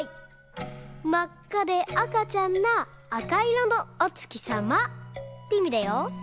まっかで赤ちゃんな赤いろのお月さま」っていみだよ。